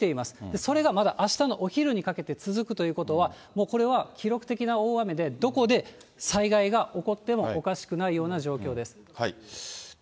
それがまだあしたのお昼にかけて続くということは、もうこれは、記録的な大雨で、どこで災害が起こってもおかしくないような状況です。